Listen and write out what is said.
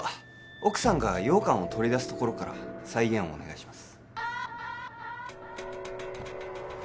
奥さんが羊羹を取り出すところから再現をお願いします